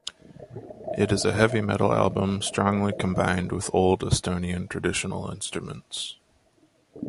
It is a heavy metal album strongly combined with old Estonian traditional instruments.